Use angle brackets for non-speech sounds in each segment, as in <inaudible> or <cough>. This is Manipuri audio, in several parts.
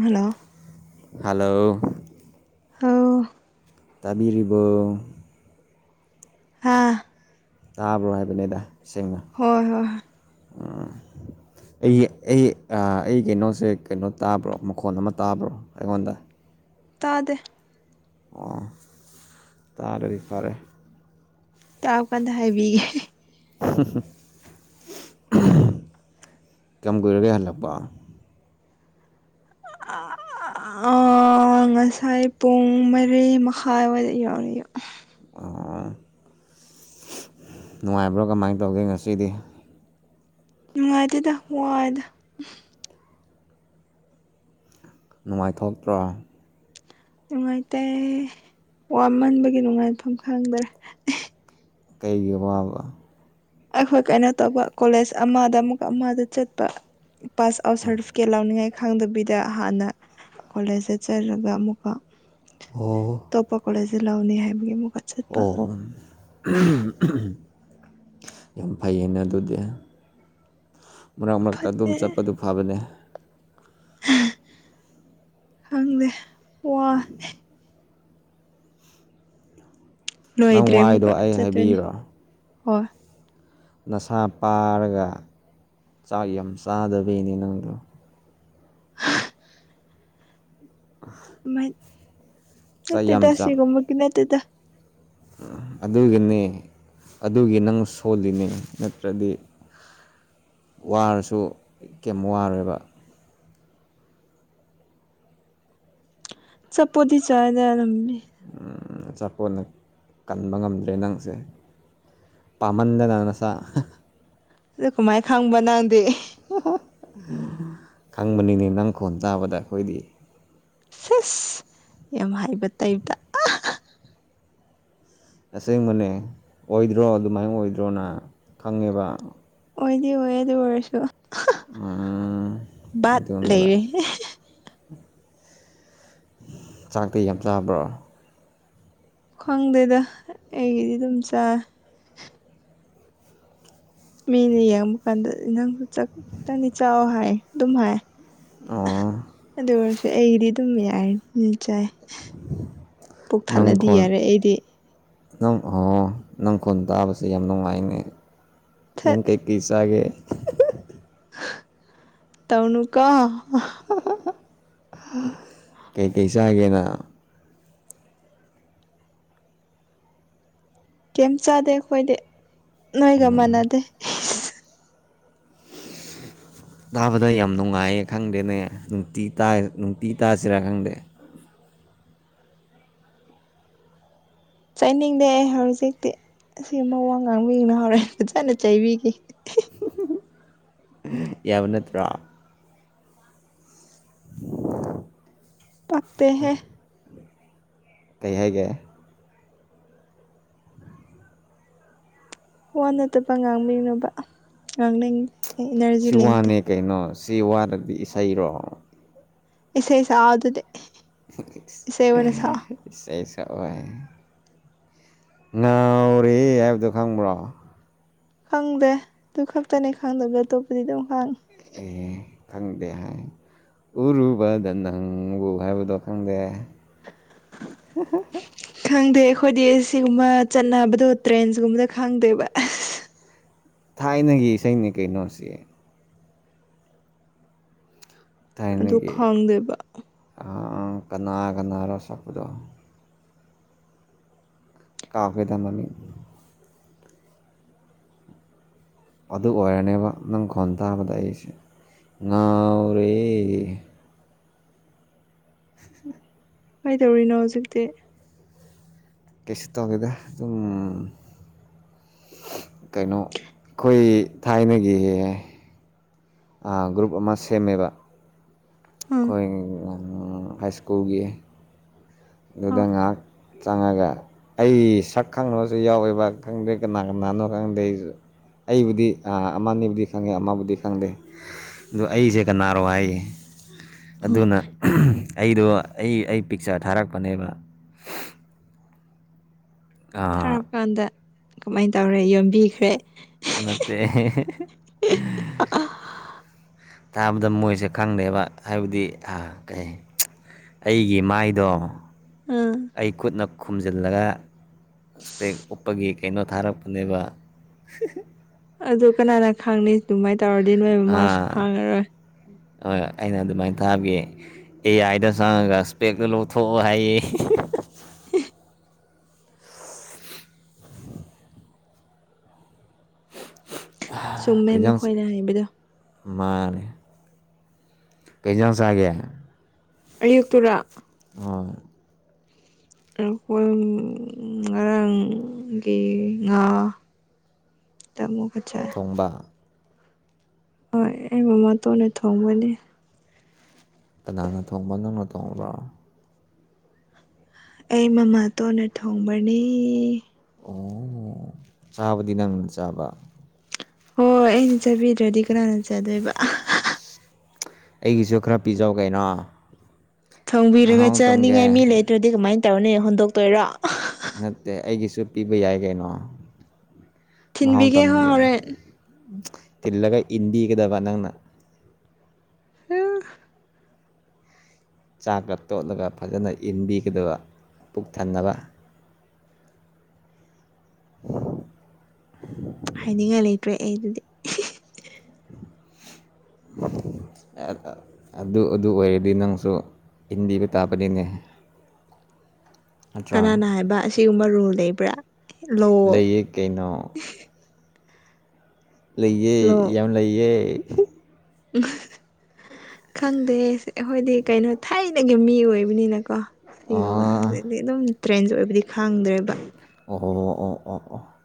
ꯍꯜꯂꯣ ꯍꯜꯂꯣ ꯍꯧ ꯇꯥꯕꯤꯔꯤꯕꯣ ꯍꯥꯥ ꯇꯥꯕ꯭ꯔꯣ ꯍꯥꯏꯕꯅꯦꯗ ꯁꯦꯡꯅ ꯍꯣꯏ ꯍꯣꯏ ꯍꯣꯏ ꯑꯩ ꯑꯩ ꯑꯩ ꯀꯩꯅꯣꯁꯦ ꯀꯩꯅꯣ ꯇꯥꯕ꯭ꯔꯣ ꯃꯈꯣꯟ ꯑꯃ ꯇꯥꯕ꯭ꯔꯣ ꯑꯩꯉꯣꯟꯗ ꯇꯥꯗꯦ ꯑꯣ ꯇꯥꯔꯗꯤ ꯐꯔꯦ ꯇꯥꯎ ꯀꯥꯟꯗ ꯍꯥꯏꯕꯤꯒꯦ <unintelligible> ꯀꯌꯥꯝ ꯀꯨꯏꯔꯒ ꯍꯜꯂꯛꯄ <unintelligible> ꯑꯣ ꯉꯁꯥꯏ ꯄꯨꯡ ꯃꯔꯤ ꯃꯈꯥꯏꯋꯥꯏꯗ ꯌꯧꯔꯛꯏ ꯌꯨꯝ ꯑꯣ ꯅꯨꯡꯉꯥꯏꯕ꯭ꯔꯣ ꯀꯃꯥꯏꯅ ꯇꯧꯒꯦ ꯉꯁꯤꯗꯤ ꯅꯨꯡꯉꯥꯏꯇꯦꯗ ꯋꯥꯏꯗ ꯅꯨꯡꯉꯥꯏꯊꯣꯛꯇ꯭ꯔꯣ ꯅꯨꯡꯉꯥꯏꯇꯦ ꯋꯥꯃꯟꯕꯒꯤ ꯅꯨꯡꯉꯥꯏꯐꯝ ꯈꯪꯗ꯭ꯔꯦ ꯀꯩꯒꯤ ꯑꯋꯥꯕ ꯑꯩꯈꯣꯏ ꯀꯩꯅꯣ ꯇꯧꯕ ꯀꯣꯂꯦꯖ ꯑꯃꯗ ꯑꯃꯨꯛ ꯑꯃꯗ ꯆꯠꯄ ꯄꯥꯁ ꯑꯥꯎꯠ ꯁꯔꯇꯤꯐꯤꯀꯦꯠ ꯂꯧꯅꯤꯉꯥꯢ ꯈꯪꯗꯕꯤꯗ ꯍꯥꯟꯅ ꯀꯣꯂꯦꯖꯇ ꯆꯠꯂꯒ ꯑꯃꯨꯛꯀ ꯑꯣ ꯑꯇꯣꯞꯄ ꯀꯣꯂꯦꯁꯇꯒꯤ ꯂꯧꯅꯤ ꯍꯥꯏꯕꯒꯤ ꯑꯃꯨꯛꯀ ꯆꯠꯄ ꯑꯣ ꯌꯥꯝ ꯐꯩꯌꯦꯅꯦ ꯑꯗꯨꯗꯤ ꯃꯔꯛ ꯃꯔꯛꯇ ꯑꯗꯨꯝ ꯐꯠꯇꯦ ꯆꯠꯄꯗꯨ ꯐꯕꯅꯦ ꯈꯪꯗꯦ ꯋꯥꯔꯦ ꯅꯪ ꯂꯣꯏꯗ꯭ꯔꯦ ꯋꯥꯏꯗꯣ ꯑꯃꯨꯛꯀ ꯑꯩ ꯆꯠꯇꯣꯏꯅꯦ ꯍꯥꯏꯕꯤꯔꯣ ꯍꯣꯏ ꯅꯁꯥ ꯄꯥꯔꯒ ꯆꯥꯛ ꯌꯥꯝ ꯆꯥꯗꯕꯩꯅꯦ ꯅꯪꯗꯣ <unintelligible> <unintelligible> <unintelligible> ꯆꯥꯛ ꯅꯠꯇꯦꯗ ꯌꯥꯝ ꯆꯥ ꯁꯤꯒꯨꯝꯕꯒꯤ ꯅꯠꯇꯦꯗ ꯑꯗꯨꯒꯤꯅꯤ ꯑꯗꯨꯒꯤ ꯅꯪ ꯁꯣꯜꯂꯤꯅꯤ ꯅꯠꯇ꯭ꯔꯗꯤ ꯋꯥꯔꯁꯨ ꯀꯩꯝ ꯋꯥꯔꯦꯕ ꯆꯞꯄꯣꯗꯤ ꯆꯥꯗ ꯂꯝꯃꯤ ꯆꯥꯄꯣꯟꯅ ꯀꯟꯕ ꯉꯝꯗ꯭ꯔꯦ ꯅꯪꯁꯦ ꯄꯥꯃꯟꯗꯅꯥ ꯅꯁꯥ ꯑꯗꯨ ꯀꯃꯥꯏꯅ ꯈꯥꯡꯕ ꯅꯪꯗꯤ ꯈꯪꯕꯅꯤꯅꯦ ꯅꯪ ꯈꯣꯟ ꯇꯥꯕꯗ ꯑꯩꯈꯣꯏꯗꯤ ꯁꯤꯁ ꯌꯥꯝ ꯍꯥꯏꯕ ꯇꯥꯏꯕꯇ ꯑꯁꯦꯡꯕꯅꯦ ꯑꯣꯏꯗ꯭ꯔꯣ ꯑꯗꯨꯃꯥꯏꯅ ꯑꯣꯏꯗ꯭ꯔꯣꯅ ꯈꯪꯉꯦꯕ ꯑꯣꯏꯗꯤ ꯑꯣꯏ ꯑꯗꯨ ꯑꯣꯏꯔꯁꯨ ꯎꯝ ꯕꯥꯠ ꯑꯗꯨꯅꯦꯕ ꯂꯩꯔꯦ ꯆꯥꯛꯇ ꯌꯥꯝ ꯆꯥꯕ꯭ꯔꯥ ꯈ꯭ꯋꯥꯪꯗꯦꯗ ꯑꯩꯒꯤꯗꯤ ꯑꯗꯨꯝ ꯆꯥꯏꯦ ꯃꯤꯅ ꯌꯦꯡꯕ ꯀꯥꯟꯗꯗꯤ ꯅꯪꯁꯨ ꯆꯥꯛꯄ ꯈꯤꯇꯪꯗꯤ ꯆꯥꯎꯥꯛꯑꯣ ꯍꯥꯏ ꯑꯗꯨꯝ ꯍꯥꯏ ꯑꯣ ꯑꯗꯨ ꯑꯣꯏꯔꯁꯨ ꯑꯩꯒꯤꯗꯤ ꯑꯗꯨꯝ ꯌꯥꯏ ꯆꯥꯏ ꯄꯨꯛ ꯊꯜꯂꯗꯤ ꯅꯣꯡꯈꯣꯜ ꯌꯥꯔꯦ ꯑꯩꯗꯤ ꯅꯪ ꯑꯣ ꯅꯪ ꯈꯣꯟ ꯇꯥꯕꯁꯦ ꯌꯥꯝ ꯅꯨꯡꯉꯥꯏꯅꯦ ꯅꯪ ꯊꯠ ꯀꯩ ꯆ ꯀꯁꯥꯦ ꯇꯧꯅꯨꯀꯥ ꯀꯩꯀꯩ ꯆꯥꯒꯦꯅ ꯀꯩꯝ ꯆꯥꯗꯦ ꯑꯈꯣꯏꯗꯤ ꯅꯣꯏꯒ ꯃꯥꯟꯅꯗꯦ ꯇꯥꯕꯗ ꯌꯥꯝ ꯅꯨꯡꯉꯥꯏꯌꯦ ꯈꯪꯗꯦꯅꯦ ꯅꯨꯡꯇꯤ ꯇꯥꯢ ꯅꯨꯡꯇꯤꯒꯤ ꯇꯥꯁꯤꯔꯥ ꯈꯪꯗꯦ ꯆꯩꯅꯤꯡꯗꯦ ꯍꯧꯖꯤꯛꯇꯤ ꯑꯁꯤ ꯑ ꯋꯥ ꯉꯥꯡꯕꯤꯅ ꯍꯧꯔꯦ ꯐꯖꯅ ꯆꯩꯕꯤꯈꯤ ꯌꯥꯕ ꯅꯠꯇ꯭ꯔꯣ ꯄꯛꯀꯍꯦ ꯀꯩ ꯍꯥꯏꯒꯦ ꯋꯥ ꯅꯠꯇꯕ ꯉꯥꯡꯕꯤꯅꯣꯕ ꯉꯥꯡꯅꯤꯡ ꯁꯤ ꯋꯥꯅꯦ ꯀꯩꯅꯣ ꯁꯤ ꯋꯥꯔꯗꯤ ꯏꯁꯩꯔꯣ ꯌꯦꯁ ꯌꯦꯁꯥꯎꯗꯗꯤꯦ ꯐꯁ ꯏꯁꯩ ꯁꯛꯑꯣꯏ ꯉꯥꯎꯔꯦ ꯍꯥꯏꯕꯗꯣ ꯈꯪꯕ꯭ꯔꯣ ꯈꯪꯗꯦ ꯑꯗꯨ ꯈꯛꯇꯅꯦ ꯈꯪꯗꯕ ꯑꯇꯣꯞꯄꯗꯤ ꯑꯗꯨꯝ ꯍꯥꯡꯉꯤ ꯈꯪꯗꯦ ꯍꯥꯏ ꯎꯔꯨꯕꯗ ꯅꯪꯕꯨ ꯍꯥꯏꯕꯗꯣ ꯈꯪꯗꯦ ꯈꯪꯗꯦ ꯑꯩꯈꯣꯏꯗꯤ ꯁꯤꯒꯨꯝꯕ ꯆꯠꯅꯕꯗꯣ ꯇ꯭ꯔꯦꯟꯁꯒꯨꯝꯕꯗ ꯈꯪꯗꯦꯕ ꯑꯁ ꯊꯥꯏꯅꯒꯤ ꯏꯁꯅꯤ ꯀꯩꯅꯣꯁꯦ ꯑꯗꯨ ꯊꯥꯏꯅꯒꯤ ꯈꯪꯗꯦꯕ ꯀꯅꯥ ꯀꯅꯥꯔꯣ ꯁꯛꯄꯗꯣ ꯀꯥꯎ ꯈꯔꯦꯗꯥ ꯃꯃꯤꯡ ꯑꯗꯨ ꯑꯣꯏꯔꯅꯦꯕ ꯅꯪ ꯈꯣꯟ ꯇꯥꯕꯗ ꯑꯩꯁꯦ ꯉꯥꯎꯔꯦ <inaudible> ꯀꯃꯩꯗꯧꯔꯤꯅꯣ ꯍꯧꯖꯤꯛꯇꯤ ꯀꯩꯁꯨ ꯇꯧꯗ ꯗꯥ ꯑꯗꯨꯝ ꯀꯩꯅꯣ ꯑꯩꯈꯣꯏ ꯊꯥꯏꯅꯒꯤ ꯒ꯭ꯔꯨꯞ ꯑꯃ ꯁꯦꯝꯃꯦꯕ ꯑꯥ ꯑꯩꯈꯣꯏ ꯍꯥꯏ ꯁ꯭ꯀꯨꯜꯒꯤ ꯑꯥ ꯂꯗꯨꯗꯥꯛ ꯆꯪꯉꯒ ꯑꯩ ꯁꯛ ꯈꯪꯕꯁꯨ ꯌꯥꯎꯋꯦꯕ ꯈꯪꯗꯦ ꯀꯅꯥ ꯀꯅꯥꯅꯣ ꯈꯪꯗꯦ ꯑꯩꯁꯨ ꯑꯩꯕꯨꯗꯤ ꯑꯃꯕꯨꯗꯤ ꯈꯪꯉꯦ ꯑꯃꯕꯨꯗꯤ ꯈꯪꯗꯦ ꯑꯗꯨ ꯑꯩꯁꯦ ꯀꯅꯥꯅꯣ ꯍꯥꯏꯌꯦ ꯑꯥ ꯑꯗꯨꯅ ꯑꯩꯗꯣ ꯑꯩ ꯑꯩ ꯄꯤꯛꯆꯔ ꯊꯥꯔꯛꯄꯅꯦꯕ ꯑꯥ ꯊꯥꯔꯛꯄ ꯀꯥꯟꯗ ꯀꯃꯥꯏꯅ ꯇꯧꯔꯦ ꯌꯣꯟꯝꯕꯤꯈ꯭ꯔꯦ ꯅꯠꯇ ꯇꯥꯕꯗ ꯃꯣꯏꯁꯦ ꯈꯪꯗꯦꯕ ꯍꯥꯏꯕꯗꯤ ꯑꯥ ꯀꯩ ꯑꯩꯒꯤ ꯃꯥꯏꯗꯣ ꯎꯝ ꯑꯩ ꯈꯨꯠꯅ ꯈꯨꯝꯖꯤꯜꯂꯒ ꯏꯁꯄꯦꯛ ꯎꯞꯄꯒꯤ ꯀꯩꯅꯣ ꯊꯥꯔꯛꯄꯅꯦꯕ ꯑꯗꯨ ꯀꯅꯥꯅ ꯈꯥꯡꯅꯤ ꯑꯗꯨꯃꯥꯏꯅ ꯇꯧꯔꯗꯤ ꯅꯣꯏ ꯃꯃꯥꯁꯨ ꯑꯥ ꯈꯥꯡꯉꯔꯣꯏ ꯍꯣꯏ ꯑꯩꯅ ꯑꯗꯨꯃꯥꯏꯅ ꯇꯥꯕꯤ ꯑꯦ ꯑꯥꯏꯗ ꯆꯪꯉꯒ ꯏꯁꯄꯦꯛꯇ ꯂꯧꯊꯣꯛꯑꯣ ꯍꯥꯏꯌꯦ ꯆꯨꯝꯃꯦ ꯃꯈꯣꯏꯅ ꯍꯥꯏꯕꯗꯣ ꯃꯥ ꯀꯔꯤ ꯌꯔꯪꯁꯡ ꯆꯥꯒꯦ ꯑꯌꯨꯛꯇꯨꯔꯥ ꯍꯣꯏ ꯑꯩꯈꯣꯏ ꯉꯔꯥꯡꯒꯤ ꯉꯥ ꯇꯃꯨꯒ ꯆꯥꯏ ꯊꯣꯡꯕ ꯍꯣꯏ ꯑꯩ ꯃꯃꯥ ꯇꯣꯟ ꯑꯣꯏꯅ ꯊꯣꯡꯕꯅꯦ ꯀꯅꯥꯅ ꯊꯣꯡꯕ ꯅꯨꯡꯅ ꯊꯣꯡꯕ꯭ꯔꯣ ꯑꯩ ꯃꯃꯥꯇꯣꯟꯅ ꯊꯣꯡꯕꯅꯤ ꯑꯣ ꯆꯥꯕꯗꯤ ꯅꯪꯅ ꯆꯥꯕ ꯍꯣꯏ ꯍꯣꯏ ꯑꯩꯅ ꯆꯥꯕꯤꯗ꯭ꯔꯗꯤ ꯀꯅꯥꯅ ꯆꯥꯗꯣꯏꯕ ꯑꯩꯒꯤꯁꯨ ꯈꯔ ꯄꯤꯖꯧ ꯀꯩꯅꯣ ꯊꯣꯡꯕꯤꯔꯒ ꯃꯍꯥꯎ ꯆꯥꯅꯤꯡ ꯉꯥꯏ ꯇꯝꯒꯦ ꯃꯤ ꯂꯩꯇ꯭ꯔꯗꯤ ꯀꯃꯥꯏꯅ ꯇꯧꯔꯅꯤ ꯍꯣꯟꯗꯣꯛ ꯇꯣꯏꯔꯣ ꯅꯠꯇꯦ ꯑꯩꯒꯤꯁꯨ ꯄꯤꯕ ꯌꯥꯏ ꯀꯩꯅꯣ ꯊꯤꯟꯕꯤꯒꯦ ꯍꯣ ꯍꯣꯔꯦꯟ ꯇꯤꯜꯂꯒ ꯏꯤꯟꯗꯤ ꯀꯗꯕ ꯅꯪꯅ <unintelligible> ꯆꯥꯛꯇ ꯇꯣꯠꯂꯒ ꯐꯖꯅ ꯏꯟꯕꯤꯒꯗꯕ ꯄꯨꯛ ꯊꯟꯅꯕ <unintelligible> ꯍꯥꯏꯅꯤꯡꯉꯥꯏ ꯂꯩꯇ꯭ꯔꯦ ꯑꯩ ꯑꯗꯨꯗꯤ ꯑꯗꯨ ꯑꯗꯨ ꯑꯣꯏꯔꯗꯤ ꯅꯪꯁꯨ ꯍꯤꯟꯗꯤꯕ ꯇꯥꯕꯗꯤꯅꯦ ꯀꯅꯥꯅ ꯍꯥꯏꯕ ꯑꯁꯤꯒꯨꯝꯕ ꯔꯣꯜ ꯂꯩꯕ꯭ꯔꯥ ꯂꯣ ꯂꯩꯌꯦ ꯀꯩꯅꯣ ꯂꯩꯌꯦ ꯌꯥꯝ ꯂꯩꯌꯦ ꯎ ꯈꯪꯗꯦ ꯑꯩꯈꯣꯏꯗꯤ ꯀꯩꯅꯣ ꯊꯥꯏꯅꯒꯤ ꯃꯤ ꯑꯣꯏꯕꯅꯤꯅꯀꯣ ꯁꯤꯒꯨꯝꯕ ꯑꯥ ꯍꯥꯏꯗꯤ ꯑꯗꯨꯝ ꯇ꯭ꯔꯦꯟꯁ ꯑꯣꯏꯕꯗꯤ ꯈꯥꯡꯗ꯭ꯔꯦꯕ ꯑꯣ ꯑꯣ ꯑꯣ ꯑꯣ ꯑꯣ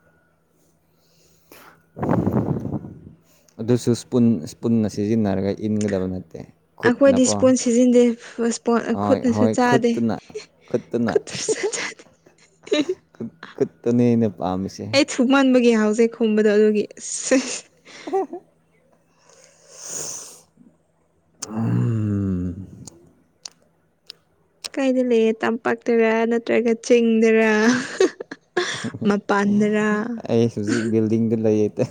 ꯑꯗꯨꯁꯨ ꯏꯁꯄꯨꯟꯅ ꯁꯤꯖꯤꯟꯅꯔꯒ ꯏꯟꯒꯗꯕ ꯅꯠꯇꯦ ꯑꯩꯈꯣꯏꯗꯤ ꯈꯨꯠꯅꯀꯣ ꯏꯁꯄꯣꯟ ꯁꯤꯖꯤꯟꯅꯗꯦ ꯏꯁꯄꯣꯟ ꯈꯨꯠꯅꯁꯨ ꯆꯥꯗꯦ ꯈꯨꯠꯇꯅ ꯈꯨꯠꯇꯁꯨ ꯆꯥꯗꯦ ꯈꯨ ꯈꯨꯠꯇꯅꯦ ꯑꯩꯅ ꯄꯥꯝꯃꯤꯁꯦ ꯁꯨꯛ ꯃꯟꯕꯒꯤ ꯍꯥꯎꯖꯩ ꯈꯣꯕꯗꯣ ꯑꯗꯨꯒꯤ <unintelligible> ꯎꯝ ꯀꯩꯗ ꯂꯩꯌꯦ ꯇꯝꯄꯥꯛꯇꯔꯥ ꯅꯠꯇ꯭ꯔꯒ ꯆꯤꯡꯗꯔꯥ ꯃꯄꯥꯟꯗ꯭ꯔꯥ ꯑꯩ ꯍꯧꯖꯤꯛ ꯕꯤꯜꯗꯤꯡꯗꯤ ꯂꯩꯌꯦ ꯇꯦ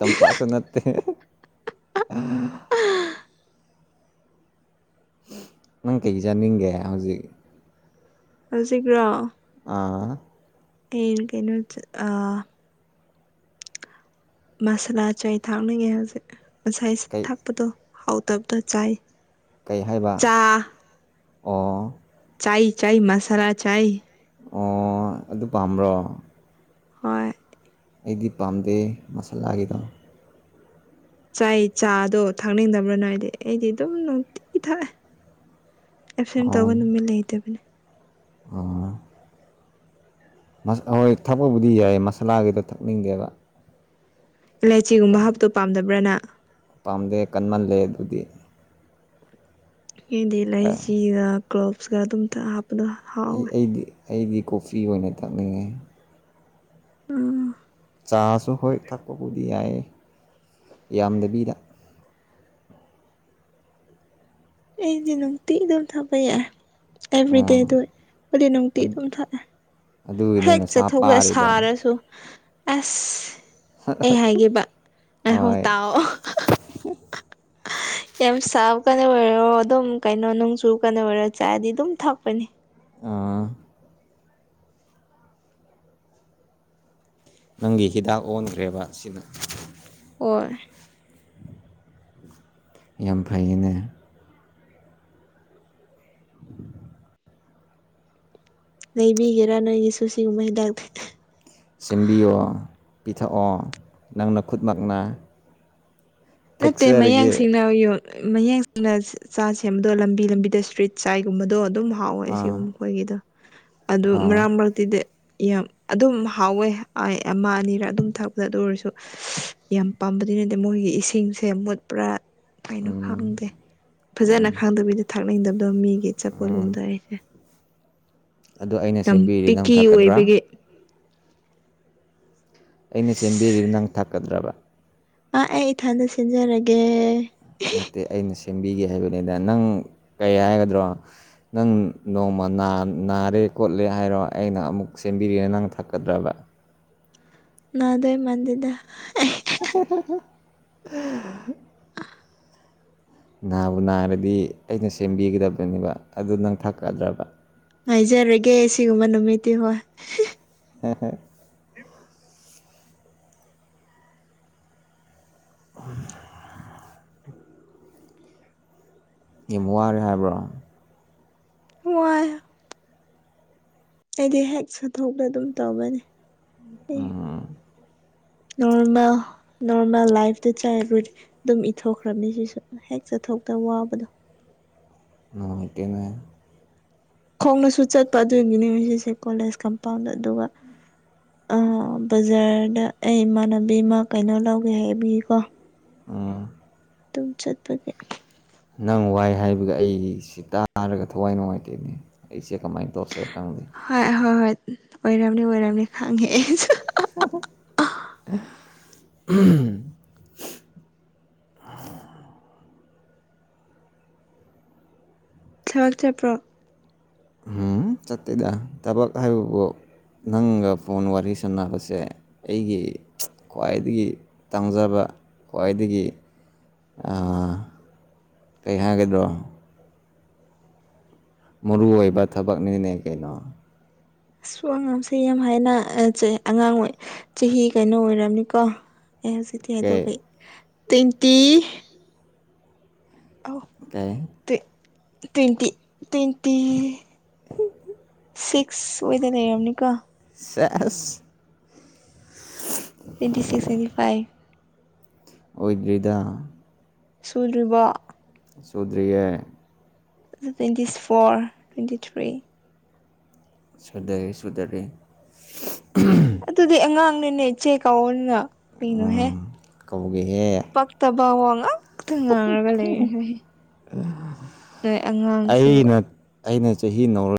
ꯇꯝꯄꯥꯛꯁꯨ ꯅꯠꯇꯦ ꯅꯪ ꯀꯩ ꯆꯥꯅꯤꯡꯒꯦ ꯍꯧꯖꯤꯛ ꯍꯣꯏꯖꯤꯛ ꯂꯣ ꯑꯥ ꯍꯥ ꯑꯩ ꯀꯩꯅꯣ ꯃꯁꯥꯂꯥ ꯆꯥꯏ ꯊꯥꯛꯅꯤꯡꯉꯦ ꯍꯧꯖꯤꯛ ꯉꯁꯥꯏ ꯀꯩ ꯊꯥꯛꯄꯗꯣ ꯍꯥꯎꯇꯕꯗ ꯆꯥꯏ ꯀꯩ ꯍꯥꯏꯕ ꯆꯥ ꯑꯣ ꯆꯥꯏ ꯆꯥꯏ ꯃꯁꯥꯂꯥ ꯆꯥꯏ ꯑꯣ ꯑꯗꯨ ꯄꯥꯝꯕ꯭ꯔꯣ ꯍꯣꯏ ꯑꯩꯗꯤ ꯄꯥꯝꯗꯦ ꯃꯁꯥꯂꯥꯒꯤꯗꯣ ꯆꯥꯏ ꯆꯥꯗꯣ ꯊꯛꯅꯤꯡꯗꯕ꯭ꯔꯥ ꯅ ꯍꯥꯏꯗꯤ ꯑꯩꯗꯤ ꯑꯗꯨꯝ ꯅꯨꯡꯇꯤ ꯊꯛꯑꯦ ꯑꯦꯞꯁꯦꯟ ꯇꯧꯕ ꯅꯨꯃꯤꯠ ꯂꯩꯇꯕꯅꯤ ꯑ ꯍꯣꯏ ꯊꯛꯄꯕꯨꯗꯤ ꯌꯥꯏ ꯃꯁꯂꯥꯒꯤꯗꯣ ꯊꯛꯅꯤꯡꯗꯦꯕ ꯏꯂꯥꯏꯆꯤꯒꯨꯝꯕ ꯀ- ꯍꯥꯞꯄꯇꯣ ꯄꯥꯝꯗꯕ꯭ꯔꯅ ꯄꯥꯝꯗꯦ ꯀꯟꯃꯜꯂꯦ ꯑꯗꯨꯗꯤ ꯑꯩꯗꯤ ꯑꯦ, ꯂꯩꯁꯤꯒ ꯀ꯭ꯂꯣꯞꯁꯀ ꯑꯗꯨꯝ ꯍꯥꯞꯄꯗꯣ ꯑꯩ ꯍꯥꯎꯋꯦ ꯑꯩꯗꯤ ꯑꯩꯗꯤ ꯀꯣꯐꯤ ꯑꯣꯏꯅ ꯇꯥꯛꯅꯤꯡꯉꯦ ꯎꯝ ꯆꯥꯁꯨ ꯍꯣꯏ ꯊꯛꯄꯕꯨꯗꯤ ꯌꯥꯏ ꯌꯥꯝꯗꯕꯤꯗ ꯑꯩꯗꯤ ꯅꯅꯨꯡꯇꯤꯟ ꯑꯗꯨꯝ ꯊꯥꯄꯛ ꯑꯦꯕ꯭ꯔꯤꯗꯦꯗ ꯍꯧꯗꯤ ꯅꯨꯡꯇꯤ ꯑꯗꯨꯝ ꯊꯛꯑꯦ ꯑꯗꯨꯒꯤꯅꯦ ꯍꯦꯛ ꯅꯁꯥ ꯆꯠꯊꯣꯛꯂ ꯄꯥꯔꯤꯗꯣ ꯁꯥꯔꯁꯨ ꯑꯁ ꯑꯩ ꯍꯥꯏꯈꯤꯕ ꯉꯥꯏꯍꯣ ꯍꯣꯏ ꯇꯥꯛꯑꯣ ꯌꯥꯝ ꯁꯕ ꯀꯅꯦ ꯑꯣꯏ ꯑꯣ ꯑꯗꯨꯝ ꯀꯩꯅꯣ ꯅꯨꯡꯁꯨꯨ ꯀꯩꯅꯣ ꯑꯣꯏꯔꯣ ꯆꯥꯑꯗꯤ ꯑꯗꯨꯝ ꯊꯛꯄꯅꯦ ꯑꯥ ꯅꯪꯒꯤ ꯍꯤꯗꯥꯛ ꯑꯣꯟꯈ꯭ꯔꯦꯕ ꯑꯁꯤꯅ ꯑꯣ ꯌꯥꯝ ꯐꯩꯌꯦꯅꯦ ꯂꯩꯕꯤꯒꯦꯔꯥ ꯅꯣꯏꯒꯤꯁꯨꯨ ꯁꯤꯒꯨꯝꯕ ꯍꯤꯗꯥꯛꯇ ꯁꯦꯝꯕꯤꯌꯣ ꯄꯤꯊꯛꯑꯣ ꯅꯪꯅ ꯈꯨꯠꯃꯛꯅ ꯅꯠꯇꯦ ꯃꯌꯥꯡ ꯊꯛꯆꯔꯒꯦ ꯁꯤꯡꯅꯥ ꯌꯨ ꯃꯌꯦꯛ ꯁꯤꯡꯅ ꯆꯥ ꯁꯦꯝꯕꯗꯣ ꯂꯝꯕꯤ ꯂꯝꯕꯤꯗ ꯏꯁꯇ꯭ꯔꯤꯠ ꯆꯥꯏꯒꯨꯝꯕꯗꯣ ꯑꯗꯨꯝ ꯍꯥꯎꯋꯦ ꯁꯤꯒꯨꯝ ꯑꯩꯈꯣꯏꯒꯤꯗ ꯑꯗꯨ ꯃꯔꯛ ꯃꯔꯛ ꯑꯗꯨꯗꯤ ꯌꯥꯝ ꯑꯗꯨꯝ ꯍꯥꯎꯋꯦ ꯑꯃ ꯑꯅꯤꯔ ꯑꯗꯨꯝ ꯊꯛꯄꯗ ꯑꯗꯨ ꯑꯣꯏꯔꯁꯨ ꯌꯥꯝ ꯄꯥꯝꯕꯗꯤ ꯅꯠꯇꯦ ꯃꯣꯏꯒꯤ ꯁꯤ ꯁꯤꯡꯁꯦ ꯃꯨꯠ ꯄꯨꯔꯥ ꯀꯩꯅꯣ ꯈꯡꯗꯦ ꯐꯖꯅ ꯈꯥꯡꯗꯕꯤꯗ ꯊꯥ ꯃꯗꯕꯗꯣ ꯃꯤꯒꯤ ꯆꯄꯣꯠꯒꯨꯝꯗꯩꯁꯦ ꯑꯗꯨ ꯑꯩꯅ ꯇꯝ ꯁꯦꯝꯕꯤꯔꯤ ꯅꯪ ꯄꯤꯀꯤ ꯊꯛꯀꯗ꯭ꯔꯥ ꯑꯣꯏꯕꯒꯤ ꯑꯩꯅ ꯁꯦꯝꯕꯤꯔꯤꯗꯤ ꯅꯪ ꯊꯥꯛꯀꯗ꯭ꯔꯕ ꯑꯥ ꯑꯩ ꯏꯊꯥꯗ ꯁꯤꯟꯖꯔꯒꯦ ꯅꯠꯇꯦ ꯑꯩꯅ ꯁꯦꯝꯕꯤꯒꯦ ꯍꯥꯏꯕꯅꯤꯗ ꯅꯪ ꯀꯩ ꯍꯥꯏꯒꯗ꯭ꯔꯣ ꯅꯪ ꯅꯣꯡꯃ ꯅꯥ ꯅꯥꯔꯦ ꯈꯣꯠꯂꯦ ꯍꯥꯏꯔꯣ ꯑꯩꯅ ꯑꯃꯨꯛ ꯁꯦꯝꯕꯤꯔꯦ ꯅꯪ ꯊꯛꯀꯗ꯭ꯔꯕ ꯅꯥꯗꯣꯏ ꯃꯥꯟꯗꯦꯗ <unintelligible> <inaudible> ꯅꯥꯕꯨ ꯅꯥꯏꯔꯗꯤ ꯑꯩꯅ ꯁꯦꯝꯕꯤꯒꯗꯕꯅꯦꯕ ꯑꯗꯨ ꯅꯪ ꯊꯥꯛꯀꯗ꯭ꯔꯕ ꯉꯥꯏꯖꯔꯒꯦ ꯁꯤꯒꯨꯝꯕ ꯅꯨꯃꯤꯠꯇꯤ ꯍꯣꯏ ꯍꯣꯏ ꯍꯣꯏ <unintelligible> ꯌꯥꯝ ꯋꯥꯔꯦ ꯍꯥꯏꯕ꯭ꯔꯣ ꯋꯥꯏ ꯑꯩꯗꯤ ꯍꯦꯛ ꯁꯠꯊꯣꯛꯇ ꯑꯗꯨꯝ ꯇꯧꯕꯅꯦ ꯑꯩ ꯅꯣꯔꯃꯦꯜ ꯅꯣꯔꯃꯦꯜ ꯂꯥꯏꯐ ꯗ <unintelligible> ꯑꯗꯨꯝ ꯏꯊꯣꯛꯈ꯭ꯔꯕꯅꯤ ꯁꯤꯁꯨ ꯍꯦꯛ ꯆꯠꯊꯣꯛꯇ ꯋꯥꯕꯗꯣ ꯅꯨꯡꯉꯥꯏꯇꯦꯅꯦ ꯈꯣꯡꯅꯁꯨ ꯆꯠꯄ ꯑꯗꯨꯒꯤꯅꯤ ꯉꯁꯤꯁꯦ ꯀꯣꯂꯦꯖ ꯀꯝꯄꯥꯎꯟꯗ ꯑꯗꯨꯒ ꯑ ꯕꯖꯥꯔꯗ ꯑꯩ ꯏꯃꯥꯟꯅꯕꯤ ꯑꯃ ꯀꯩꯅꯣ ꯂꯧꯒꯦ ꯍꯥꯏꯕꯤꯌꯀꯣ ꯎꯝ ꯑꯗꯨꯝ ꯆꯠꯄꯒꯤ ꯅꯪ ꯋꯥꯏ ꯍꯥꯏꯕꯒ ꯑꯩꯁꯤ ꯇꯥꯔꯒ ꯊꯋꯥꯏ ꯅꯨꯡꯉꯥꯏꯇꯦꯅꯦ ꯑꯩꯁꯦ ꯀꯃꯥꯏꯅ ꯇꯧꯔꯁꯤꯔ ꯈꯪꯗꯦ ꯍꯣꯏ ꯍꯣꯏ ꯍꯣꯏ ꯑꯣꯏꯔꯝꯅꯤ ꯑꯣꯏꯔꯝꯅꯤ ꯈꯪꯉꯦ ꯑꯩꯁꯨ <unintelligible> ꯊꯕꯛ ꯆꯠꯄ꯭ꯔꯣ ꯎꯝ ꯆꯠꯇꯦꯗ ꯊꯕꯛ ꯍꯥꯏꯕꯕꯨ ꯅꯪꯒ ꯐꯣꯟ ꯋꯥꯔꯤ ꯁꯥꯟꯅꯕꯁꯦ ꯑꯩꯒꯤ ꯈ꯭ꯋꯥꯏꯗꯒꯤ ꯇꯥꯡꯖꯕ ꯈ꯭ꯋꯥꯏꯗꯒꯤ ꯑ ꯀꯩꯍꯥꯏꯒꯗ꯭ꯔꫭ ꯃꯔꯨ ꯑꯣꯏꯕ ꯊꯕꯛꯅꯤꯅꯦ ꯀꯩꯅꯣ ꯑꯁꯨ ꯑꯉꯥꯡꯁꯦ ꯌꯥꯝ ꯍꯥꯏꯅ ꯑꯉꯥꯡ ꯑꯣꯏ ꯆꯍꯤ ꯀꯩꯅꯣ ꯑꯣꯏꯔꯝꯅꯤꯀꯣ ꯑꯩ ꯍꯧꯖꯤꯛꯀꯤ ꯍꯥꯏꯗꫭ ꯀꯩ ꯇ꯭ꯋꯦꯟꯇꯤ ꯑꯧ ꯑꯣ ꯀꯦ ꯇꯋ ꯇ꯭ꯋꯦꯟꯇꯤ ꯇ꯭ꯋꯦꯟꯇꯤ <inaudible> ꯁꯤꯛꯁ ꯑꯣꯏꯗ ꯂꯩꯔꯝꯅꯤꯀꯣ ꯁꯦꯁ ꯇ꯭ꯋꯦꯟꯇꯤ ꯁꯤꯛꯁ ꯇ꯭ꯋꯦꯟꯇꯤ ꯐꯥꯏꯚ ꯑꯣꯏꯗ꯭ꯔꯤꯗ ꯁꯨꯗ꯭ꯔꯤꯕꯣ ꯁꯨꯗꯔꯤꯌꯦ ꯇ꯭ꯋꯦꯟꯇꯤ ꯐꯣꯔ ꯇ꯭ꯋꯦꯟꯇꯤ ꯊ꯭ꯔꯤ ꯁꯨꯗꯔꯦ ꯁꯨꯗꯔꯦ ꯑꯗꯨꯗꯤ ꯑꯉꯥꯡꯅꯤꯅꯦ ꯏꯆꯦ ꯀꯥꯎꯑꯣꯅ ꯀꯔꯤꯅꯣꯍꯦ ꯀꯧꯒꯦꯍꯦ ꯄꯛ ꯇꯕ ꯋꯥ ꯉꯥꯛ ꯅꯣꯏ <unintelligible> ꯑꯉꯥꯡꯁꯤꯕꯨ ꯑꯩꯅ ꯑꯩꯅ ꯆꯍꯤ ꯅꯧꯔ